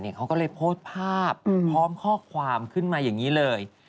เขาก็เลยโพสต์ภาพพร้อมข้อความขึ้นมาอย่างนี้เลย